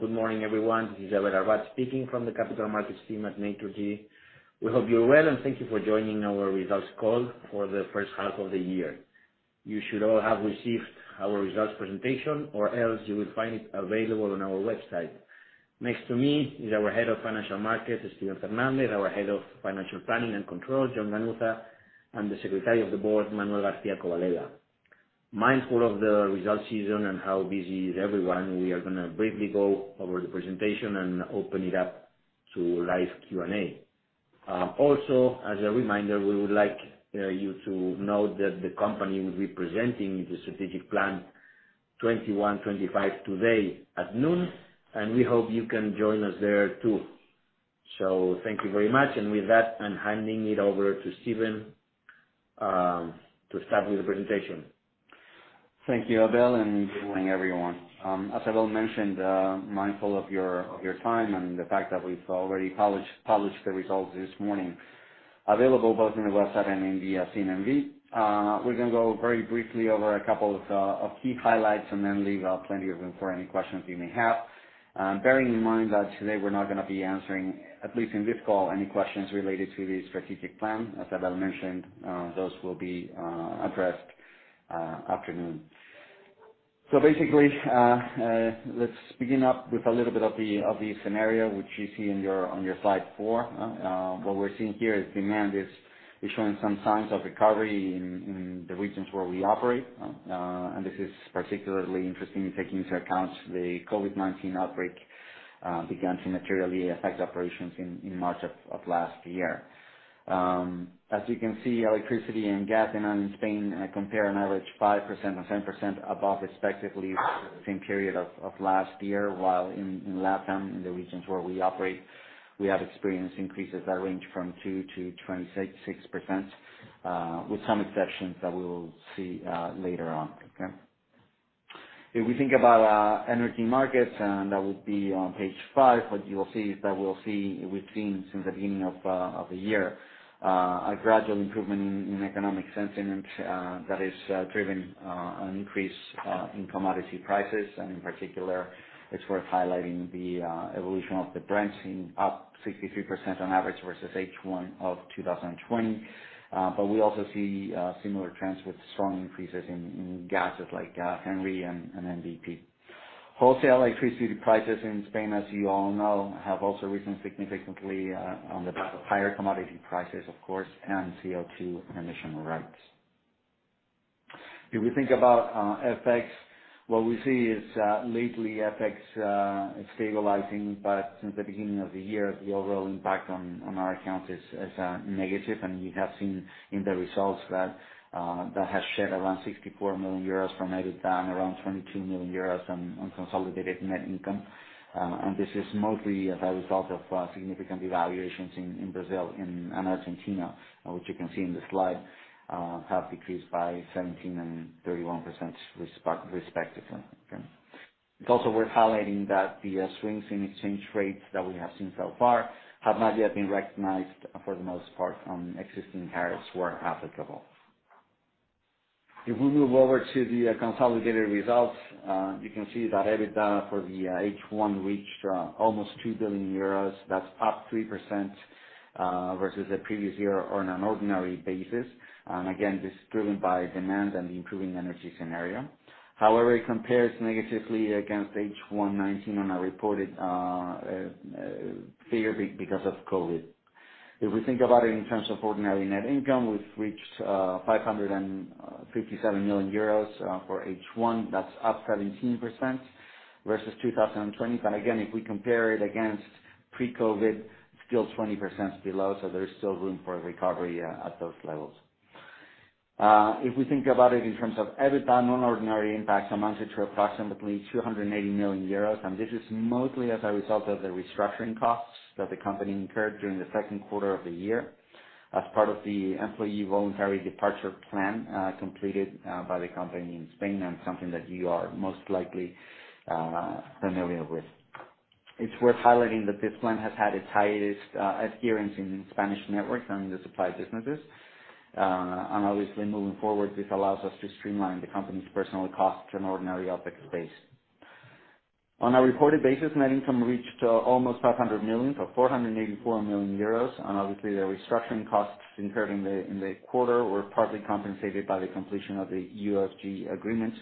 Good morning, everyone. This is Abel Arbat speaking from the Capital Markets team at Naturgy. We hope you are well, and thank you for joining our results call for the first half of the year. You should all have received our results presentation, or else you will find it available on our website. Next to me is our Head of Financial Markets, Steven Fernández, our Head of Financial Planning and Control, Jon Ganuza, and the Secretary of the Board, Manuel García Cobaleda. Mindful of the results season and how busy is everyone, we are going to briefly go over the presentation and open it up to live Q&A. As a reminder, we would like you to know that the company will be presenting the Strategic Plan 2021-2025 today at noon, and we hope you can join us there too. Thank you very much. With that, I'm handing it over to Steven, to start with the presentation. Thank you, Abel. Good morning, everyone. As Abel mentioned, mindful of your time and the fact that we've already published the results this morning, available both on the website and in the CNMV. We're going to go very briefly over a couple of key highlights, then leave plenty of room for any questions you may have. Bearing in mind that today we're not going to be answering, at least in this call, any questions related to the strategic plan. As Abel mentioned, those will be addressed afternoon. Basically, let's begin with a little bit of the scenario, which you see on your slide four. What we're seeing here is demand is showing some signs of recovery in the regions where we operate. This is particularly interesting taking into account the COVID-19 outbreak began to materially affect operations in March of last year. As you can see, electricity and gas in Spain compare on average 5% and 10% above, respectively, the same period of last year, while in Latam, in the regions where we operate, we have experienced increases that range from 2% to 26%, with some exceptions that we will see later on. Okay. If we think about energy markets, and that would be on page five, what you will see is that we've seen since the beginning of the year, a gradual improvement in economic sentiment, that has driven an increase in commodity prices. In particular, it's worth highlighting the evolution of the Brent up 63% on average versus H1 of 2020. We also see similar trends with strong increases in gases like Henry and NBP. Wholesale electricity prices in Spain, as you all know, have also risen significantly, on the back of higher commodity prices, of course, and CO2 emission rights. If we think about FX, what we see is lately FX is stabilizing, but since the beginning of the year, the overall impact on our accounts is negative. You have seen in the results that has shed around 64 million euros from EBITDA and around 22 million euros on consolidated net income. This is mostly as a result of significant evaluations in Brazil and Argentina, which you can see in the slide, have decreased by 17% and 31%, respectively. It's also worth highlighting that the swings in exchange rates that we have seen so far have not yet been recognized for the most part on existing PPAs where applicable. If we move over to the consolidated results, you can see that EBITDA for the H1 reached almost 2 billion euros. That's up 3% versus the previous year on an ordinary basis. Again, this is driven by demand and the improving energy scenario. However, it compares negatively against H1 2019 on a reported figure because of COVID-19. If we think about it in terms of ordinary net income, we've reached 557 million euros for H1. That's up 17% versus 2020. Again, if we compare it against pre-COVID-19, still 20% below. There is still room for recovery at those levels. If we think about it in terms of EBITDA, non-ordinary impacts amounted to approximately 280 million euros. This is mostly as a result of the restructuring costs that the company incurred during the second quarter of the year as part of the employee voluntary departure plan, completed by the company in Spain and something that you are most likely familiar with. It's worth highlighting that this plan has had its highest adherence in Spanish networks and the supply businesses. Obviously, moving forward, this allows us to streamline the company's personal costs on ordinary objects base. On a reported basis, net income reached almost 500 million, so 484 million euros. Obviously, the restructuring costs incurred in the quarter were partly compensated by the completion of the UFG agreement,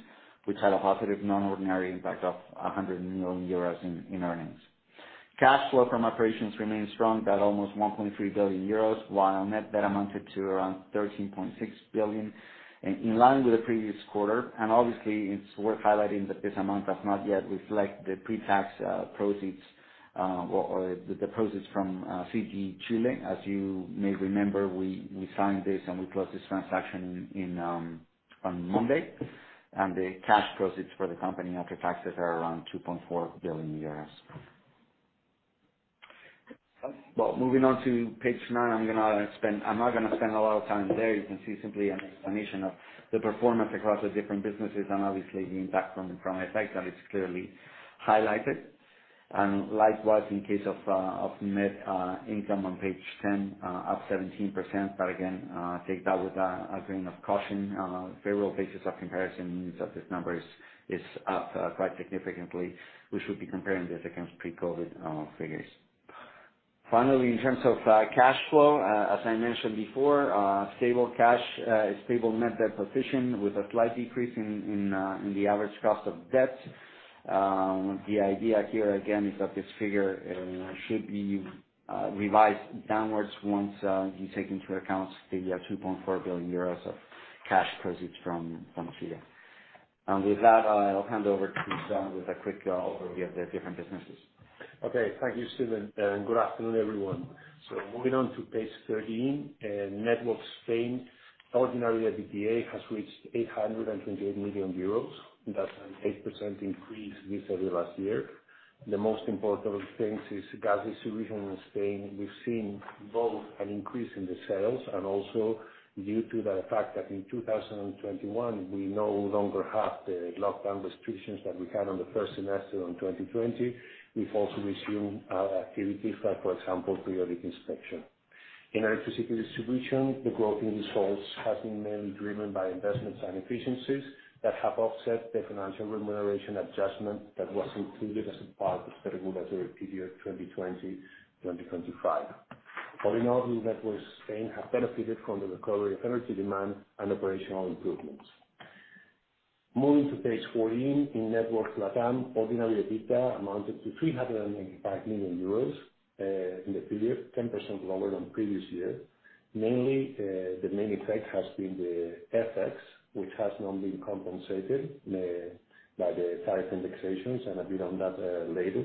which had a positive non-ordinary impact of 100 million euros in earnings. Cash flow from operations remains strong at almost 1.3 billion euros, while net debt amounted to around 13.6 billion, in line with the previous quarter, and obviously, it's worth highlighting that this amount does not yet reflect the pre-tax proceeds, or the proceeds from CGE Chile. As you may remember, we signed this and we closed this transaction on Monday, and the cash proceeds for the company after taxes are around 2.4 billion euros. Well, moving on to page nine. I'm not going to spend a lot of time there. You can see simply an explanation of the performance across the different businesses and obviously the impact from FX, and it's clearly highlighted. Likewise, in case of net income on page 10, up 17%. Again, take that with a grain of caution. Very well basis of comparison means that this number is up quite significantly. We should be comparing this against pre-COVID figures. In terms of cash flow, as I mentioned before, stable net debt position with a slight decrease in the average cost of debt. The idea here, again, is that this figure should be revised downwards once you take into account the 2.4 billion euros of cash proceeds from Orpea. With that, I'll hand over to Jon with a quick overview of the different businesses. Okay. Thank you, Steven, and good afternoon, everyone. Moving on to page 13, Networks Spain, ordinary EBITDA has reached 828 million euros. That's an 8% increase vis-a-vis last year. The most important things is gas solution in Spain. We've seen both an increase in the sales and also due to the fact that in 2021, we no longer have the lockdown restrictions that we had on the first semester on 2020. We've also resumed our activities, like for example, periodic inspection. In electricity distribution, the growth in results has been mainly driven by investments and efficiencies that have offset the financial remuneration adjustment that was included as a part of the regulatory period 2020-2025. Ordinary Networks Spain have benefited from the recovery of energy demand and operational improvements. Moving to page 14, in Networks Latam, ordinary EBITDA amounted to 395 million euros, in the period, 10% lower than previous year. Mainly, the main effect has been the FX, which has not been compensated, by the tariff indexations, and a bit on that, later.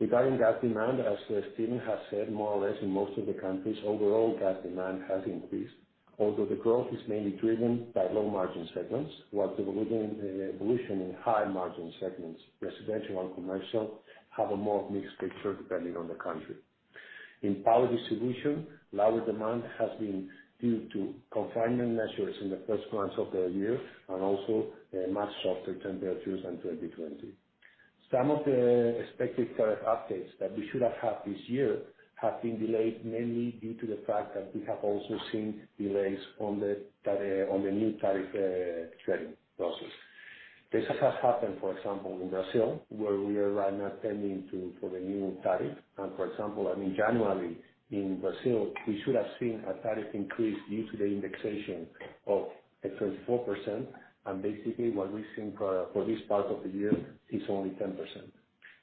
Regarding gas demand, as Steven has said, more or less in most of the countries overall gas demand has increased, although the growth is mainly driven by low margin segments, while the evolution in high margin segments, residential and commercial, have a more mixed picture depending on the country. In power distribution, lower demand has been due to confinement measures in the first months of the year, and also, much softer temperatures than 2020. Some of the expected tariff updates that we should have had this year have been delayed, mainly due to the fact that we have also seen delays on the new tariff setting process. This has happened, for example, in Brazil, where we are right now pending for the new tariff. For example, in January in Brazil, we should have seen a tariff increase due to the indexation of 34%, basically what we've seen for this part of the year is only 10%.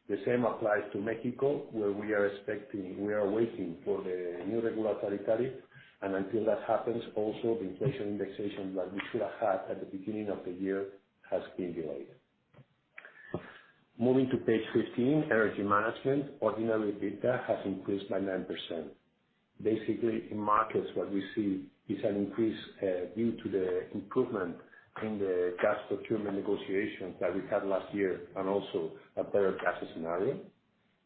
The same applies to Mexico, where we are waiting for the new regulatory tariff. Until that happens, also the inflation indexation that we should have had at the beginning of the year has been delayed. Moving to page 15, Energy Management. Ordinary EBITDA has increased by 9%. Basically, in markets, what we see is an increase, due to the improvement in the gas procurement negotiations that we had last year, and also a better gas scenario.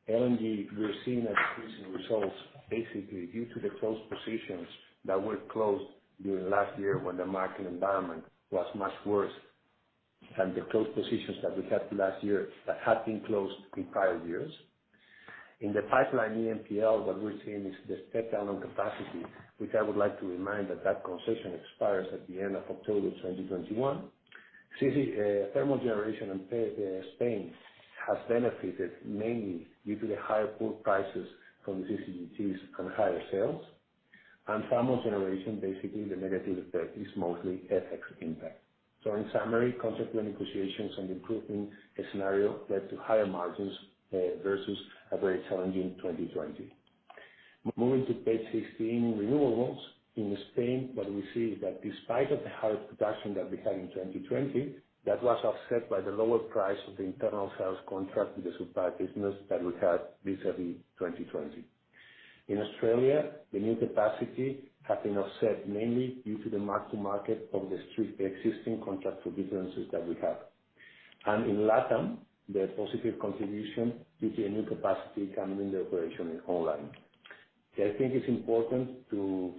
LNG, we are seeing an increase in results basically due to the closed positions that were closed during last year when the market environment was much worse, and the closed positions that we had last year that had been closed in prior years. In the pipeline, EMPL, what we're seeing is the step down on capacity, which I would like to remind that that concession expires at the end of October 2021. CC, thermal generation in Spain has benefited mainly due to the higher pool prices from CCGTs on higher sales. Thermal generation, basically, the negative effect is mostly FX impact. In summary, contract renegotiations and improvement in scenario led to higher margins, versus a very challenging 2020. Moving to page 16, renewables. In Spain, what we see is that despite of the higher production that we had in 2020, that was offset by the lower price of the internal sales contract with the supply business that we had vis-a-vis 2020. In Australia, the new capacity has been offset mainly due to the mark-to-market of the existing contract differences that we have. In Latam, the positive contribution due to a new capacity coming into operation in online. I think it's important to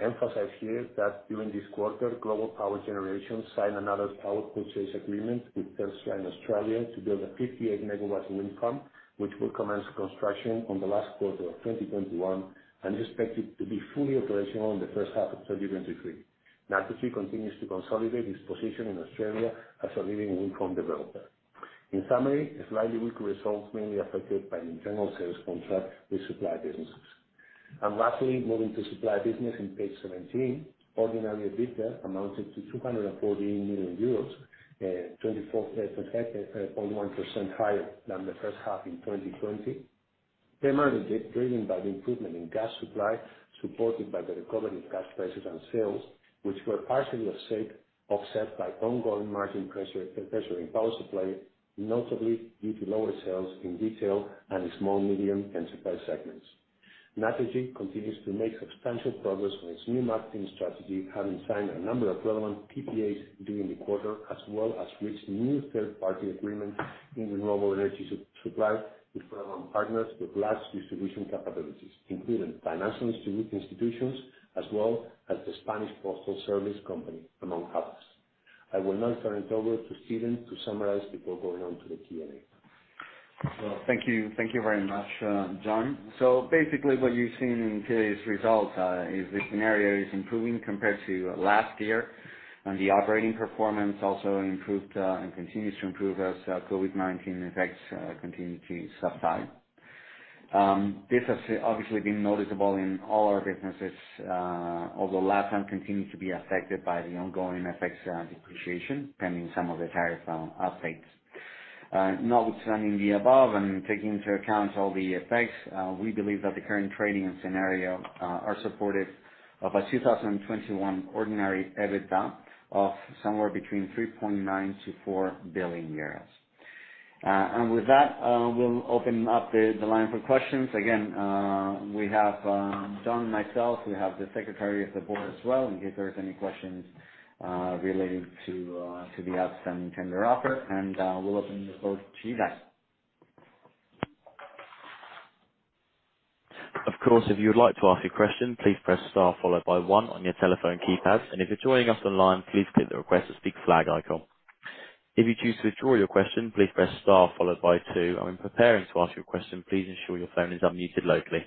emphasize here that during this quarter, Global Power Generation signed another power purchase agreement with Telstra in Australia to build a 58-megawatt wind farm, which will commence construction on the last quarter of 2021 and is expected to be fully operational in the first half of 2023. Naturgy continues to consolidate its position in Australia as a leading wind farm developer. In summary, a slightly weak result mainly affected by the internal sales contract with supply businesses. Lastly, moving to supply business on page 17. Ordinary EBITDA amounted to 214 million euros, 24.1% higher than the first half in 2020. Primarily driven by the improvement in gas supply, supported by the recovery of gas prices and sales, which were partially offset by ongoing margin pressure in power supply, notably due to lower sales in retail and small, medium and supply segments. Naturgy continues to make substantial progress on its new marketing strategy, having signed a number of relevant PPAs during the quarter, as well as reached new third-party agreements in renewable energy supply with relevant partners with large distribution capabilities, including financial institutions, as well as the Spanish Postal Service company, among others. I will now turn it over to Steven to summarize before going on to the Q&A. Well, thank you. Thank you very much, Jon. Basically what you're seeing in today's results, is the scenario is improving compared to last year, and the operating performance also improved, and continues to improve as COVID-19 effects continue to subside. This has obviously been noticeable in all our businesses, although Latam continues to be affected by the ongoing FX depreciation, pending some of the tariff updates. Notwithstanding the above and taking into account all the effects, we believe that the current trading and scenario are supported of a 2021 ordinary EBITDA of somewhere between 3.9 billion-4 billion euros. With that, we'll open up the line for questions. Again, we have Jon, myself, we have the Secretary of the Board as well, in case there's any questions relating to the upstream tender offer. We'll open the floor to you then. Of course, if you would like to ask a question, please press star followed by one on your telephone keypad. If you're joining us online, please click the request to speak flag icon. If you choose to withdraw your question, please press star followed by two. When preparing to ask your question, please ensure your phone is unmuted locally.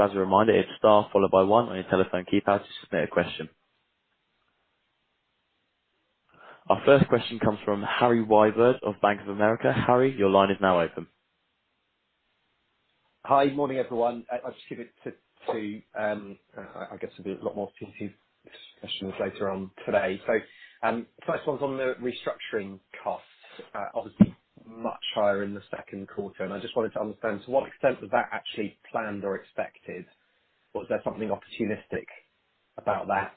As a reminder, it's star followed by one on your telephone keypad to submit a question. Our first question comes from Harry Wyburd of Bank of America. Harry, your line is now open. Hi. Morning, everyone. I'll just give it to I guess there'll be a lot more questions later on today. First one's on the restructuring costs. Obviously much higher in the second quarter, and I just wanted to understand to what extent was that actually planned or expected. Was there something opportunistic about that?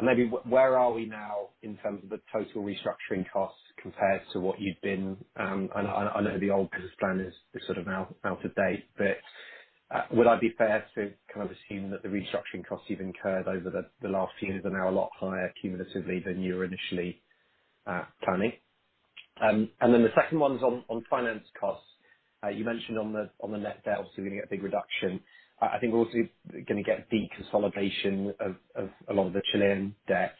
Maybe where are we now in terms of the total restructuring costs compared to what you'd been, and I know the old business plan is sort of now out of date, but would I be fair to kind of assume that the restructuring costs you've incurred over the last few years are now a lot higher cumulatively than you were initially planning? The second one's on finance costs. You mentioned on the net debt, obviously we're going to get a big reduction. I think we're also going to get deconsolidation of a lot of the Chilean debt.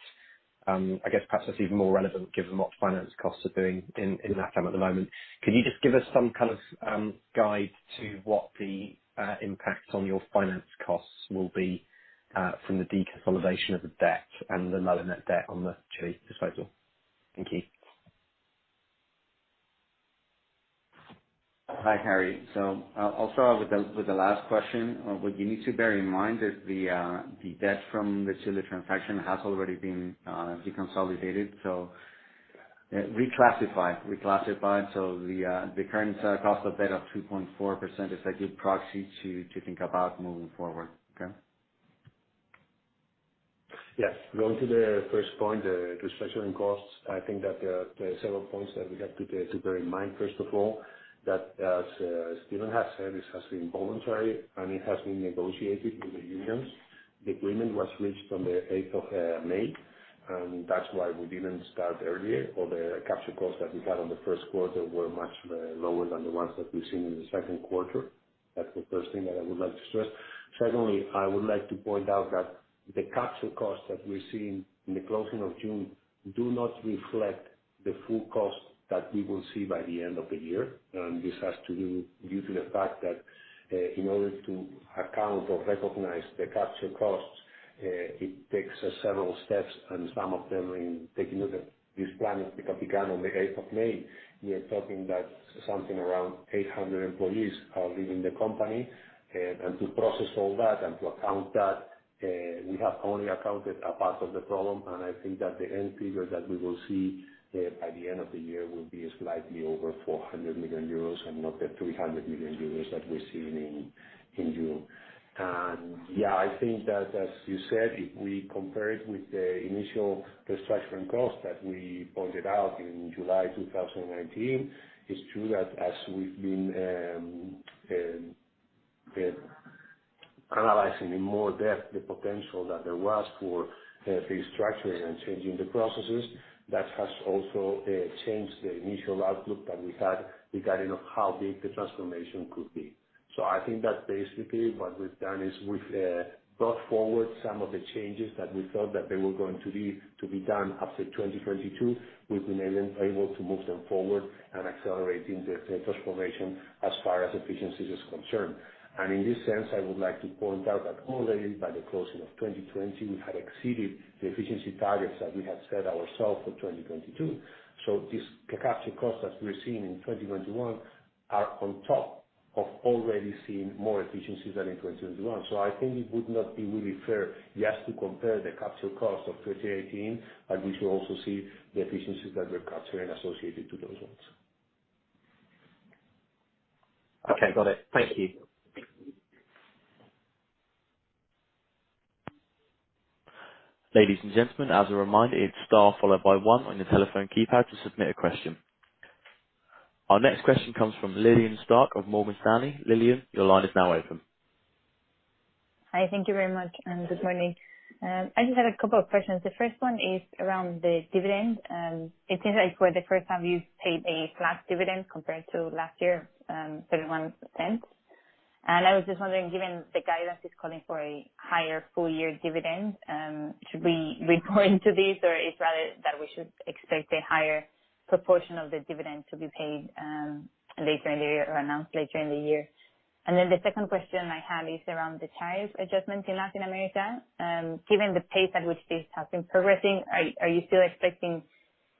I guess perhaps that's even more relevant given what finance costs are doing in Latam at the moment. Could you just give us some kind of guide to what the impact on your finance costs will be, from the deconsolidation of the debt and the net debt on the Chile disposal? Thank you. Hi, Harry. I'll start with the last question. What you need to bear in mind that the debt from the Chile transaction has already been deconsolidated, so reclassified. The current cost of debt of 2.4% is a good proxy to think about moving forward. Okay? Yes. Going to the first point, the restructuring costs, I think that there are several points that we have to bear in mind. First of all, that as Steven has said, this has been voluntary, and it has been negotiated with the unions. The agreement was reached on the eighth of May, and that's why we didn't start earlier, or the capture costs that we had on the first quarter were much lower than the ones that we've seen in the second quarter. That's the first thing that I would like to stress. Secondly, I would like to point out that the capture costs that we're seeing in the closing of June do not reflect the full cost that we will see by the end of the year. This has to do due to the fact that, in order to account or recognize the capture costs, it takes several steps, and some of them in taking a look at this plan, it began on the eighth of May. We are talking that something around 800 employees are leaving the company. To process all that and to account that, we have only accounted a part of the problem, and I think that the end figure that we will see by the end of the year will be slightly over 400 million euros and not the 300 million euros that we're seeing in June. Yeah, I think that as you said, if we compare it with the initial restructuring cost that we pointed out in July 2019, it's true that as we've been analyzing in more depth the potential that there was for restructuring and changing the processes, that has also changed the initial outlook that we had regarding of how big the transformation could be. I think that basically what we've done is we've brought forward some of the changes that we thought that they were going to be done after 2022. We've been able to move them forward and accelerating the transformation as far as efficiencies is concerned. In this sense, I would like to point out that already by the closing of 2020, we had exceeded the efficiency targets that we had set ourselves for 2022. These capture costs that we're seeing in 2021 are on top of already seeing more efficiencies than in 2021. I think it would not be really fair, yes, to compare the capture cost of 2018, and we should also see the efficiencies that we're capturing associated to those ones. Okay. Got it. Thank you. Ladies and gentlemen, as a reminder, it's star followed by one on your telephone keypad to submit a question. Our next question comes from Lillian Starke of Morgan Stanley. Lillian, your line is now open. Hi. Thank you very much, and good morning. I just had a couple of questions. The first one is around the dividend. It seems like for the first time you paid a flat dividend compared to last year, 0.31. I was just wondering, given the guidance is calling for a higher full year dividend, should we read into this or is rather that we should expect a higher proportion of the dividend to be paid later in the year or announced later in the year? The second question I have is around the tariff adjustments in Latin America. Given the pace at which this has been progressing, are you still expecting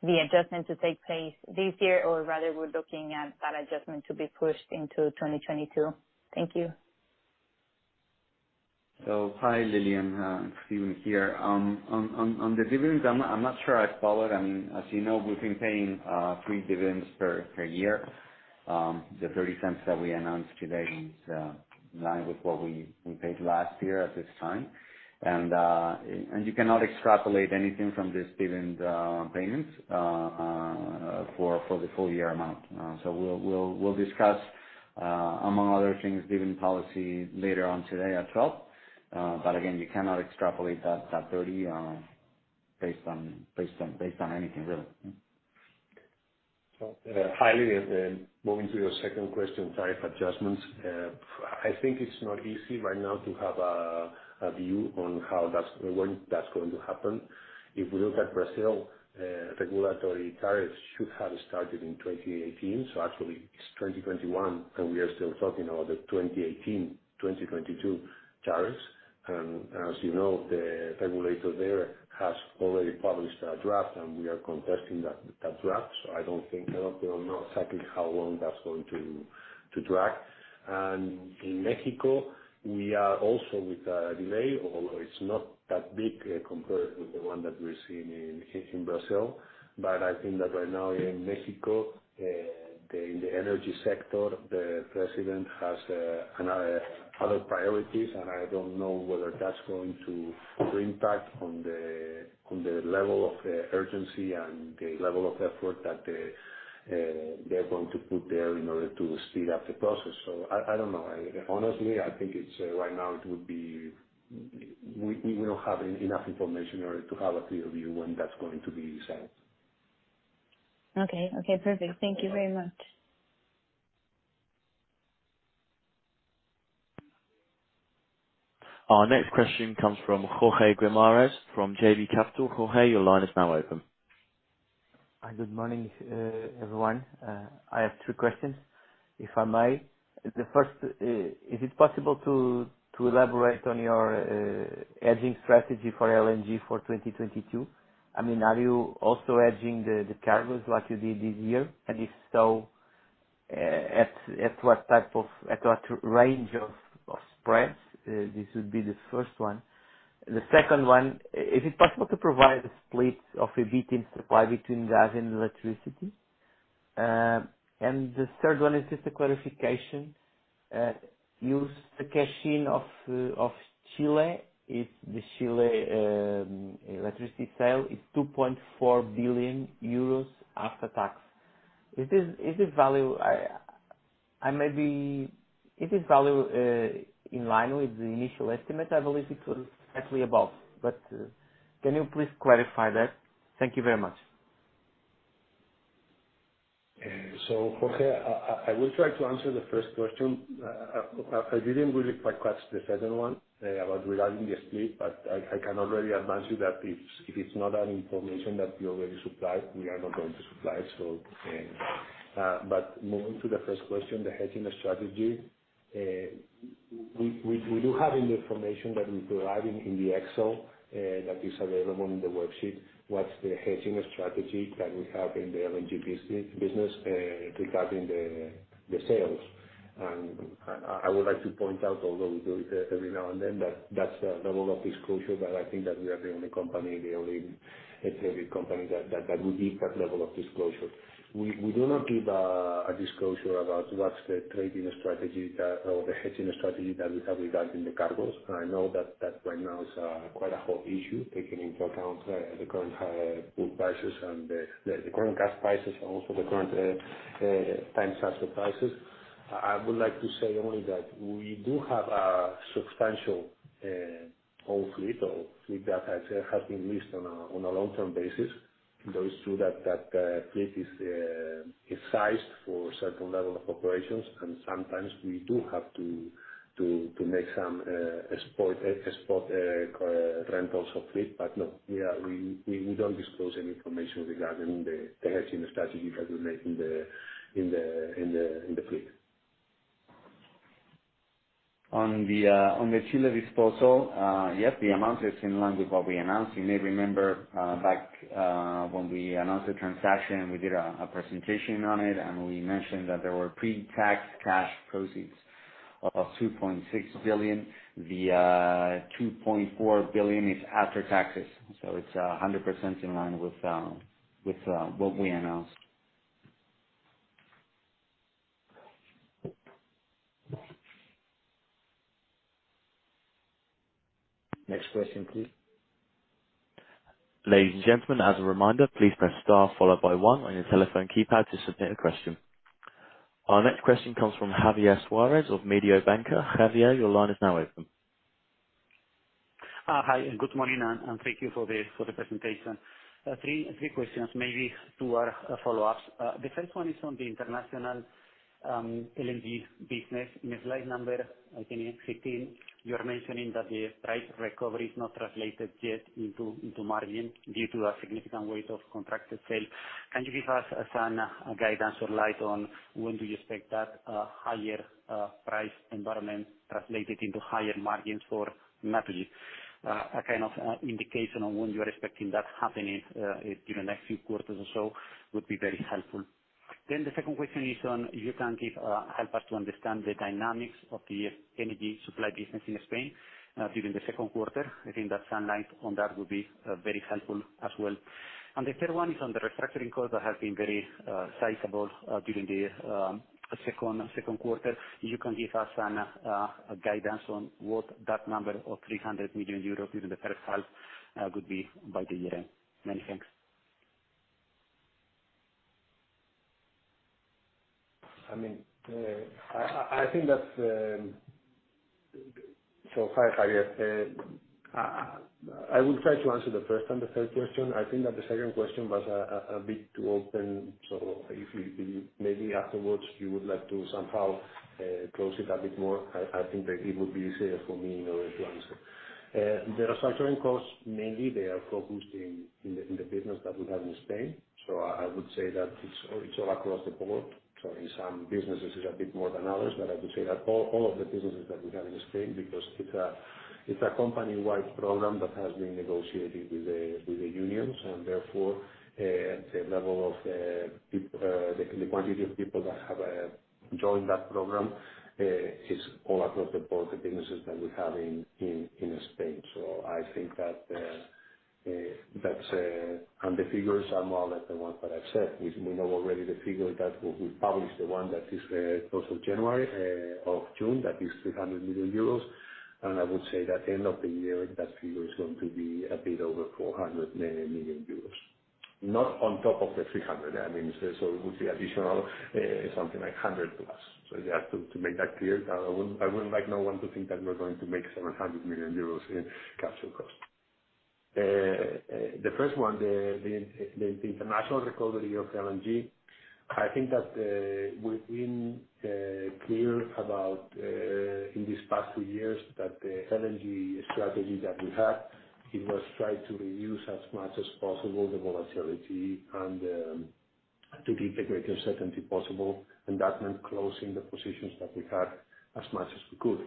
the adjustment to take place this year, or rather, we're looking at that adjustment to be pushed into 2022? Thank you. Hi, Lillian. Steven here. On the dividends, I'm not sure I followed. As you know, we've been paying three dividends per year. The 0.30 that we announced today is in line with what we paid last year at this time. You cannot extrapolate anything from this dividend payments for the full year amount. We'll discuss, among other things, dividend policy later on today at 12:00. Again, you cannot extrapolate that 0.30 based on anything, really. Hi, Lillian. Moving to your second question, tariff adjustments. I think it's not easy right now to have a view on when that's going to happen. If we look at Brazil, regulatory tariffs should have started in 2018. Actually, it's 2021, and we are still talking about the 2018, 2022 tariffs. As you know, the regulator there has already published a draft, and we are contesting that draft. I don't know exactly how long that's going to drag. In Mexico, we are also with a delay, although it's not that big compared with the one that we're seeing in Brazil. I think that right now in Mexico, in the energy sector, the president has other priorities, and I don't know whether that's going to impact on the level of urgency and the level of effort that they're going to put there in order to speed up the process. I don't know. Honestly, I think right now we don't have enough information in order to have a clear view when that's going to be signed. Okay. Perfect. Thank you very much. Our next question comes from Jorge Guimarães, from JB Capital. Jorge, your line is now open. Hi. Good morning, everyone. I have two questions, if I may. The first, is it possible to elaborate on your hedging strategy for LNG for 2022? Are you also hedging the cargos like you did this year? If so, at what range of spreads? This would be the first one. The second one, is it possible to provide a split of EBITDA supply between gas and electricity? The third one is just a clarification. Use the cash-in of Chile. The Chile electricity sale is 2.4 billion euros after tax. Is this value in line with the initial estimate? I believe it was slightly above, but can you please clarify that? Thank you very much. Jorge, I will try to answer the first question. I didn't really quite catch the second one, about regarding the split, but I can already advise you that if it's not an information that we already supplied, we are not going to supply it. Moving to the first question, the hedging strategy. We do have the information that we provide in the Excel, that is available in the worksheet, what's the hedging strategy that we have in the LNG business regarding the sales. I would like to point out, although we do it every now and then, that that's the level of disclosure that I think that we are the only company, the only European company, that would give that level of disclosure. We do not give a disclosure about what's the trading strategy or the hedging strategy that we have regarding the cargos. I know that right now is quite a hot issue, taking into account the current high pool prices and the current gas prices, also the current time charter prices. I would like to say only that we do have a substantial whole fleet, or fleet that has been leased on a long-term basis. It's true that that fleet is sized for a certain level of operations, sometimes we do have to make some spot rentals of fleet. No, we don't disclose any information regarding the hedging strategies that we make in the fleet. On the Chile disposal, yes, the amount is in line with what we announced. You may remember, back when we announced the transaction, we did a presentation on it, and we mentioned that there were pre-tax cash proceeds of 2.6 billion. The 2.4 billion is after taxes, so it's 100% in line with what we announced. Next question, please. Ladies and gentlemen as a reminder, please press star followed by one on your telephone keypad to submit your question. Our next question comes from Javier Suárez of Mediobanca. Javier, your line is now open. Hi, and good morning, and thank you for the presentation. Three questions, maybe two are follow-ups. The 1st one is on the international LNG business. In slide number 15, you are mentioning that the price recovery is not translated yet into margin due to a significant weight of contracted sale. Can you give us some guidance or light on when do you expect that higher price environment translated into higher margins for Naturgy? A kind of indication on when you are expecting that to happen during the next few quarters or so would be very helpful. The 2nd question is on, you can help us to understand the dynamics of the Energy Management business in Spain during the second quarter. I think that some light on that would be very helpful as well. The third one is on the restructuring costs that have been very sizable during the second quarter. You can give us a guidance on what that number of 300 million euros during the first half would be by the year-end. Many thanks. Hi, Javier. I will try to answer the first and the third question. I think that the second question was a bit too open. If maybe afterwards you would like to somehow close it a bit more, I think that it would be easier for me in order to answer. The restructuring costs, mainly, they are focused in the business that we have in Spain. I would say that it's all across the board. In some businesses, it's a bit more than others, but I would say that all of the businesses that we have in Spain, because it's a company-wide program that has been negotiated with the unions, and therefore, the quantity of people that have joined that program is all across the board, the businesses that we have in Spain. The figures are more or less the ones that I've said. We know already the figure that we published, the one that is as of June, that is 300 million euros. I would say that end of the year, that figure is going to be a bit over 400 million euros. Not on top of the 300, I mean, it would be additional something like 100 plus. Just to make that clear, I wouldn't like anyone to think that we're going to make 700 million euros in capital costs. The first one, the international recovery of LNG. I think that we've been clear about, in these past two years, that the LNG strategy that we had, it was try to reduce as much as possible the volatility and to keep the greatest certainty possible, and that meant closing the positions that we had as much as we could.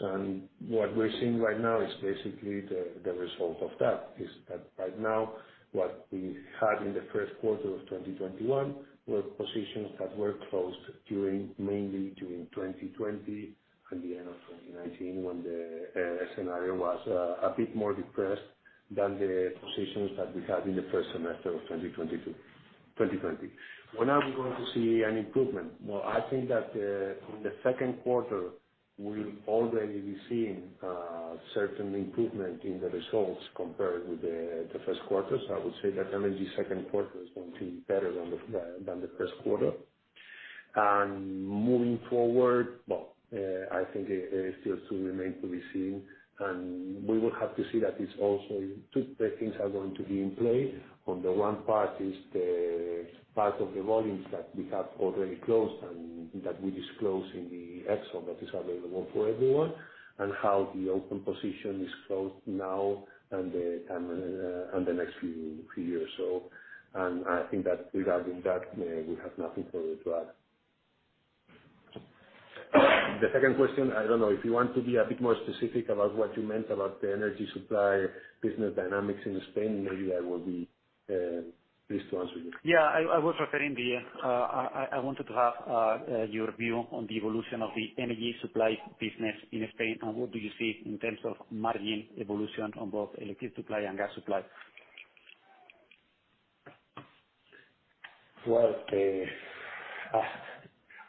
What we're seeing right now is basically the result of that, is that right now, what we had in the first quarter of 2021, were positions that were closed mainly during 2020 and the end of 2019, when the scenario was a bit more depressed than the positions that we had in the first semester of 2020. When are we going to see an improvement? Well, I think that in the second quarter, we will already be seeing certain improvement in the results compared with the first quarter. I would say that LNG second quarter is going to be better than the first quarter. Moving forward, well, I think it still remains to be seen. We will have to see that it's also two things are going to be in play. On the one part is the part of the volumes that we have already closed and that we disclose in the Excel that is available for everyone, and how the open position is closed now and the next few years. I think that regarding that, we have nothing further to add. The second question, I don't know, if you want to be a bit more specific about what you meant about the energy supply business dynamics in Spain, maybe I will be pleased to answer you. Yeah, I wanted to have your view on the evolution of the energy supply business in Spain. What do you see in terms of margin evolution on both electricity supply and gas supply?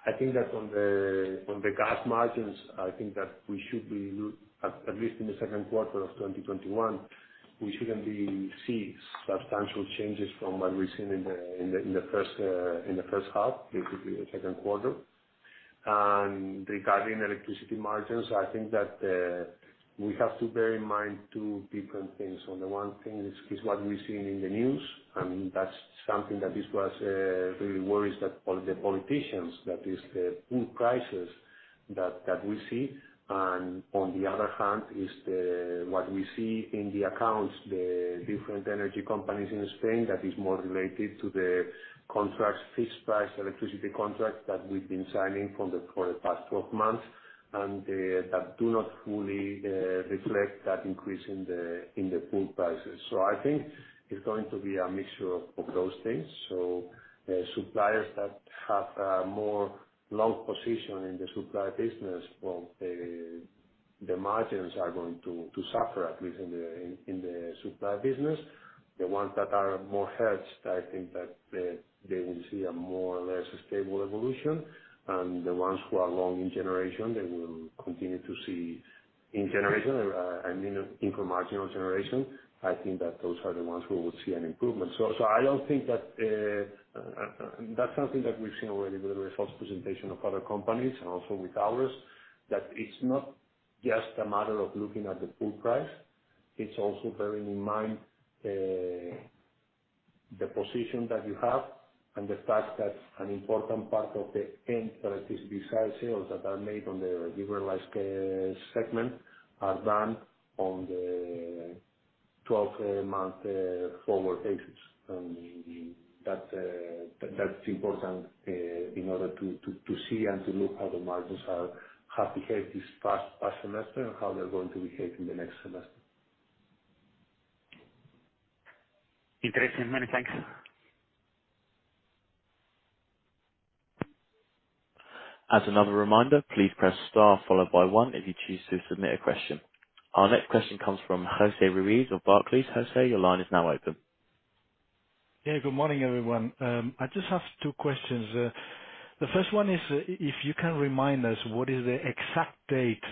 I think that on the gas margins, I think that we should be, at least in the second quarter of 2021, we shouldn't be seeing substantial changes from what we've seen in the first half, basically the second quarter. Regarding electricity margins, I think that we have to bear in mind two different things. On the one thing is what we've seen in the news, and that's something that really worries the politicians, that is the pool prices that we see. On the other hand is what we see in the accounts, the different energy companies in Spain that is more related to the contracts, fixed-price electricity contracts that we've been signing for the past 12 months, and that do not fully reflect that increase in the pool prices. I think it's going to be a mixture of those things. Suppliers that have a more long position in the supply business, well, the margins are going to suffer, at least in the supply business. The ones that are more hedged, I think that they will see a more or less stable evolution. The ones who are long in generation, they will continue to see in generation, I mean, incremental generation. I think that those are the ones who would see an improvement. I don't think that that's something that we've seen already with the results presentation of other companies and also with ours, that it's not just a matter of looking at the pool price. It's also bearing in mind the position that you have and the fact that an important part of the end electricity sale that are made on the liberalized segment are done on the 12-month forward basis. That's important in order to see and to look how the margins have behaved this past semester and how they're going to behave in the next semester. Interesting. Many thanks. As another reminder, please press star followed by one if you choose to submit a question. Our next question comes from José Ruiz of Barclays. José, your line is now open. Yeah. Good morning, everyone. I just have two questions. The first one is, if you can remind us what is the exact date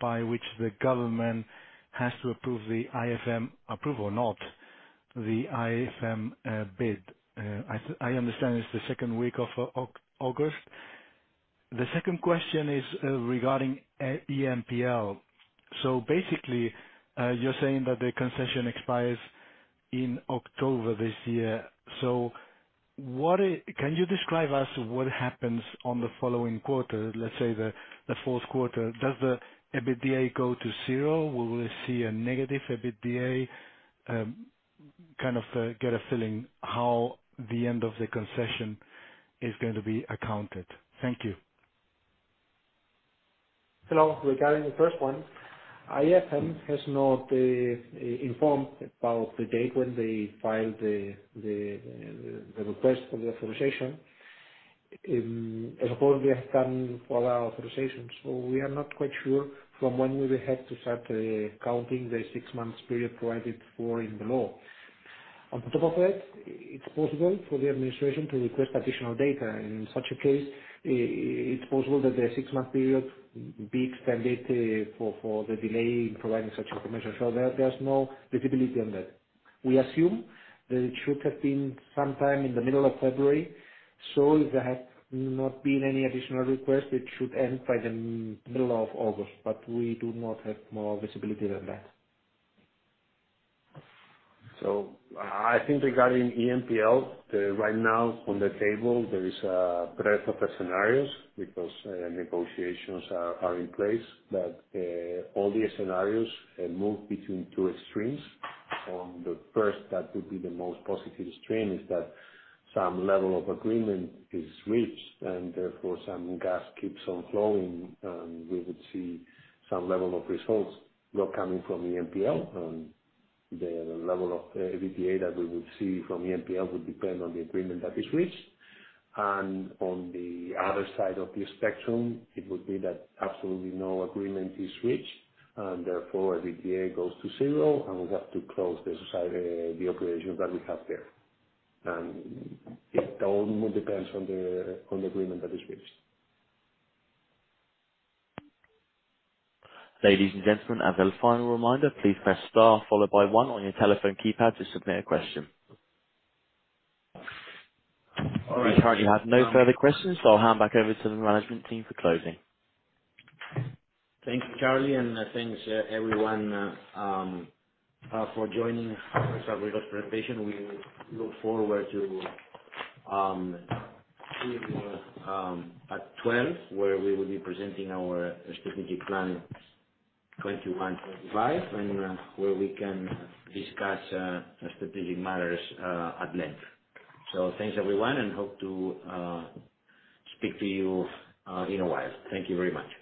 by which the government has to approve or not the IFM bid. I understand it's the second week of August. The second question is regarding EMPL. Basically, you're saying that the concession expires in October this year. Can you describe us what happens on the following quarter, let's say the fourth quarter? Does the EBITDA go to zero? Will we see a negative EBITDA? Kind of get a feeling how the end of the concession is going to be accounted. Thank you. Hello. Regarding the first one, IFM has not informed about the date when they filed the request for the authorization. In a report, they have come for our authorization. We are not quite sure from when we will have to start counting the six months period provided for in the law. On top of it is possible for the administration to request additional data. In such a case, it is possible that the six-month period be extended for the delay in providing such information. There is no visibility on that. We assume that it should have been sometime in the middle of February. If there had not been any additional request, it should end by the middle of August, but we do not have more visibility than that. I think regarding EMPL, right now on the table, there is a breadth of scenarios because negotiations are in place that all the scenarios move between two extremes. On the first, that would be the most positive extreme, is that some level of agreement is reached, and therefore, some gas keeps on flowing, and we would see some level of results still coming from EMPL. The level of EBITDA that we would see from EMPL would depend on the agreement that is reached. On the other side of the spectrum, it would be that absolutely no agreement is reached, and therefore, EBITDA goes to zero, and we have to close the operations that we have there. It all depends on the agreement that is reached. Ladies and gentlemen, as a final reminder, please press star followed by one on your telephone keypad to submit a question. We currently have no further questions, so I'll hand back over to the management team for closing. Thank you, Charlie. Thanks everyone for joining us for this presentation. We look forward to seeing you at 12:00, where we will be presenting our strategic plan 2021-2025, and where we can discuss strategic matters at length. Thanks, everyone, and hope to speak to you in a while. Thank you very much.